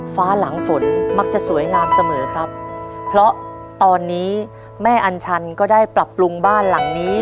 ฟ้าหลังฝนมักจะสวยงามเสมอครับเพราะตอนนี้แม่อัญชันก็ได้ปรับปรุงบ้านหลังนี้